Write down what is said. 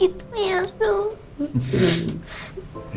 gitu ya suh